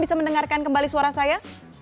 bisa mendengarkan kembali suara saya